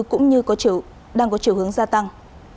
cũng như đang có chiều hướng gia tăng